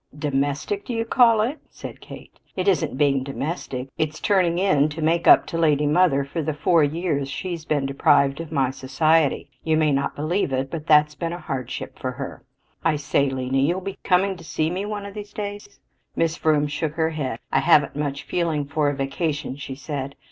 "Domestic, do you call it?" cried Kate. "It isn't being domestic; it's turning in to make up to lady mother for the four years she's been deprived of my society. You may not believe it, but that's been a hardship for her. I say, Lena, you'll be coming to see me one of these days?" Miss Vroom shook her head. "I haven't much feeling for a vacation," she said.